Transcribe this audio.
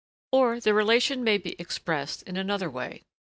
Or the relation may be expressed in another way.